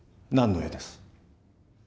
何の絵です？